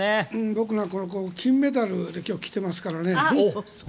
僕なんか、金メダルで今日来てますからね。